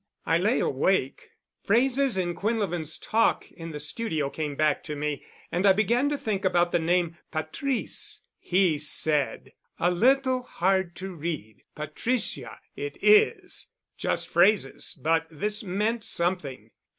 I lay awake. Phrases in Quinlevin's talk in the studio came back to me and I began to think about the name 'Patrice'—he said, 'a little hard to read. Patricia it is.' Just phrases, but this meant something.